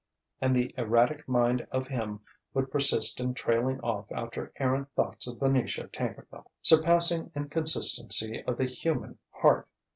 and the erratic mind of him would persist in trailing off after errant thoughts of Venetia Tankerville. Surpassing inconsistency of the human heart!